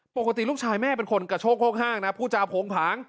ปกติลูกชายแม่เป็นคนกระโชคโฮกห้างนะผู้จาโผงผาง